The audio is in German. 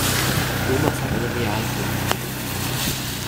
Thomas hat eine Realschulempfehlung bekommen.